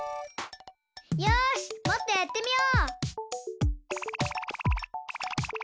よしもっとやってみよう！